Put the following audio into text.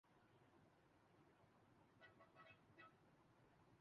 اسی وجہ سے قدرت نے پاکستان کو ایٹمی قوت بنایا ہے۔